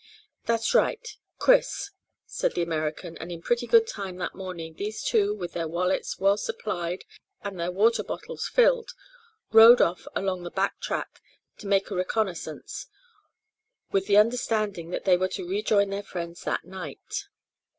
"That's right Chris," said the American, and in pretty good time that morning these two, with their wallets well supplied and their water bottles filled, rode off along the back track to make a reconnoissance, with the understanding that they were to rejoin their friends that night.